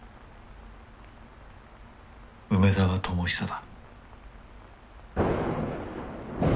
梅沢智久だ。